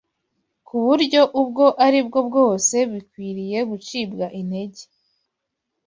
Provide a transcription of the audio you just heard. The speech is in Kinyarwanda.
ku buryo ubwo aribwo bwose bikwiriye gucibwa intege;